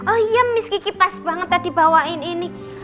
oh iya miski pas banget tadi bawain ini